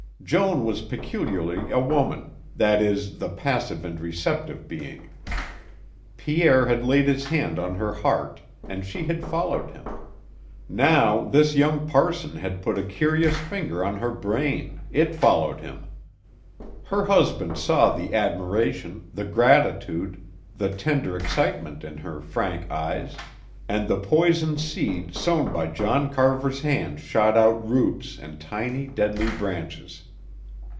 Joan was peculiarly a woman that is, the passive and receptive being. Pierre had laid his hand on her heart and she had followed him; now this young parson had put a curious finger on her brain, it followed him. Her husband saw the admiration, the gratitude, the tender excitement in her frank eyes, and the poison seed sown by John Carver's hand shot out roots and tiny, deadly branches.